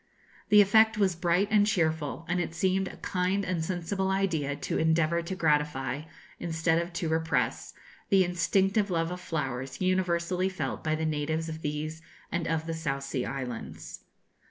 The effect was bright and cheerful; and it seemed a kind and sensible idea to endeavour to gratify, instead of to repress, the instinctive love of flowers universally felt by the natives of these and of the South Sea Islands.